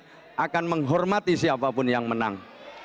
saya akan menghormati siapapun yang menang